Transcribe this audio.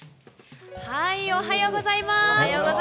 おはようございます！